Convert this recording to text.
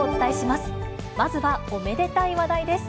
まずはおめでたい話題です。